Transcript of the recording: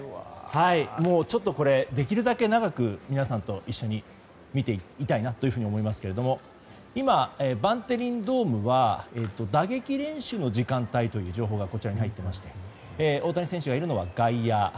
できるだけ長く、皆さんと一緒に見ていたいと思いますが今、バンデリンドームは打撃練習の時間帯という情報がこちらに入っておりまして大谷選手がいるのは外野。